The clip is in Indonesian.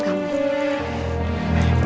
sekarang aku harus keluar dari sini